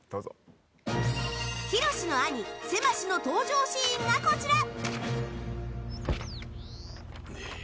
ひろしの兄せましの登場シーンがこちら。